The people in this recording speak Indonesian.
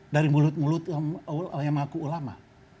dari mulut mulut yang mengaku ulama